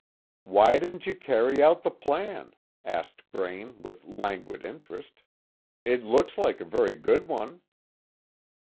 "Why didn't you carry out the plan?" asked Braine, with languid interest. "It looks like a very good one."